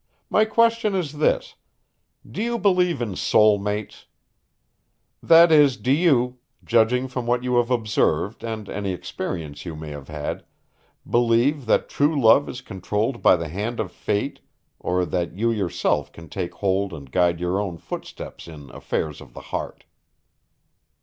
"My question is this: Do you believe in soul mates? That is, do you, judging from what you have observed and any experience you may have had, believe that true love is controlled by the hand of Fate or that you yourself can take hold and guide your own footsteps in affairs of the heart?"